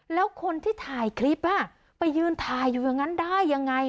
แล้วคนที่ถ่ายคลิปไปยืนถ่ายอยู่อย่างนั้นได้ยังไง